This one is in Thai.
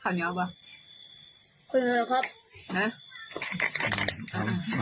ขันเหนียวป่ะ